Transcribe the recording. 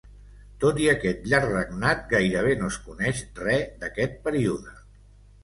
Tot i aquest llarg regnat gairebé no es coneix res d'aquest període.